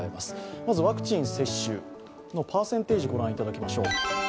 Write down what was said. まずワクチン接種のパーセンテージ、ご覧いただきましょう。